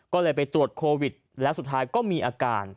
ก็เลยไปตรวจโควิดแล้วสุดท้ายก็มีอาการ